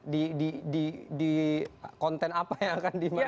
di di di di konten apa yang akan dimantapkan